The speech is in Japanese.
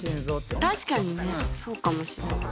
確かにねそうかもしれない。